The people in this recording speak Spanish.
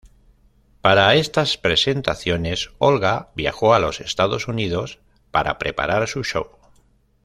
Para estas presentaciones, Olga viajó a los Estados Unidos para preparar su show.